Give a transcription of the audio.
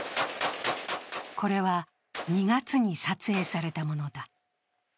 これは２月に撮影されたものだ。